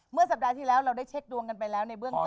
สัปดาห์ที่แล้วเราได้เช็คดวงกันไปแล้วในเบื้องต้น